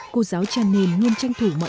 cô giáo chanen luôn tranh thủ mọi cơ hội